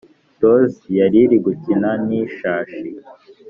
Tozi yariri gukina nishashi